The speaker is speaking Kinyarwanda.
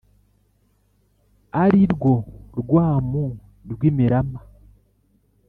ari rwo rwamu rw’imirama,